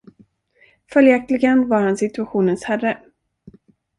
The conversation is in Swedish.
Följaktligen var han situationens herre.